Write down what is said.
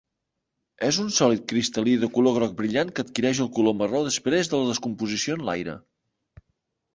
És un sòlid cristal·lí de color groc brillant que adquireix el color marró després de la descomposició en l"aire.